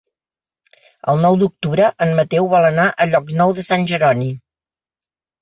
El nou d'octubre en Mateu vol anar a Llocnou de Sant Jeroni.